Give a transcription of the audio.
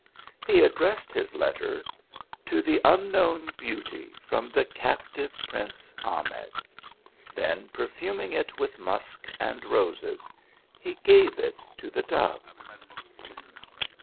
He addressed his letter, " To the unknown beauty, from the captive prince Ahmed," then perfuming it with musk and roses, he gave it to the dove.